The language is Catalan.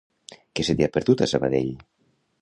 Què se t'hi ha perdut a Sabadell?